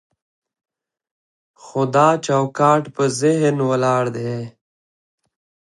خو دا چوکاټ په ذهن ولاړ دی.